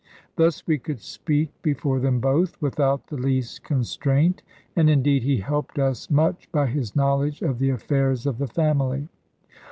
Thus we could speak before them both, without the least constraint; and indeed he helped us much by his knowledge of the affairs of the family.